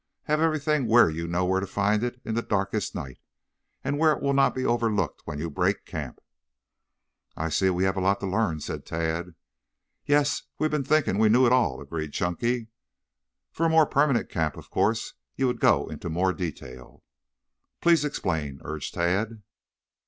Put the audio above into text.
Have everything where you know where to find it in the darkest night and where it will not be overlooked when you break camp." "I see we have a lot to learn," said Tad. "Yes, we've been thinking we knew it all," agreed Chunky. "For a more permanent camp, of course you would go more into detail." "Please explain," urged Tad.